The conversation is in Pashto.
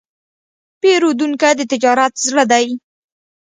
پیرودونکی د تجارت زړه دی.